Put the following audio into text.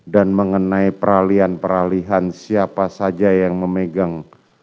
dan mengenai peralian peralihan siapa saja yang memegang